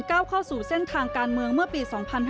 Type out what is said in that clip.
เข้าสู่เส้นทางการเมืองเมื่อปี๒๕๕๙